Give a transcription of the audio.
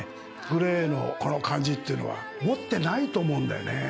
グレーのこの感じっていうのは持ってないと思うんだよね。